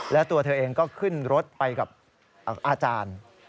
แล้วตัวเธอเองก็ขึ้นรถไปกับอาจารย์